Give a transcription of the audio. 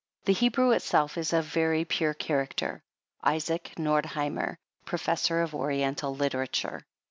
The Hebrew itself is of a very pure character. ISAAC NORDHIEMER, Professor ov oriental literature.